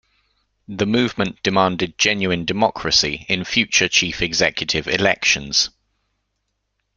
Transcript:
The movement demanded genuine democracy in future chief executive elections.